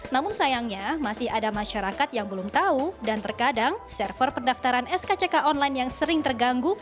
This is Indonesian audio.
namun sayangnya masih ada masyarakat yang belum tahu dan terkadang server pendaftaran skck online yang sering terganggu